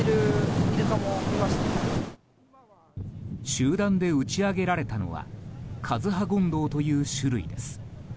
集団で打ち揚げられたのはカズハゴンドウという種類です。